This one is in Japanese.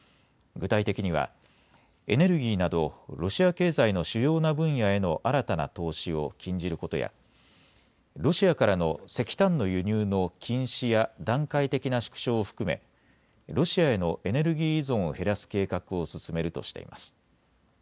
具体的にはエネルギーなどロシア経済の主要な分野への新たな投資を禁じることやロシアからの石炭の輸入の禁止や段階的な縮小を含めロシアへのエネルギー依存を減らす計画を進めるとしています。